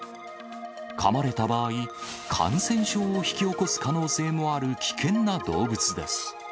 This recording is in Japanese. かまれた場合、感染症を引き起こす可能性もある危険な動物です。